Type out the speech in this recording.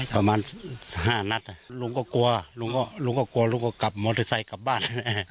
ประมาณ๕นัดลุงก็กลัวลุงก็กลัวลุงก็กลับมอเตอร์ไซค์กลับบ้าน